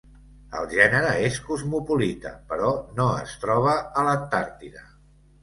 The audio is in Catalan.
El gènere és cosmopolita però no es troba a l'Antàrtida.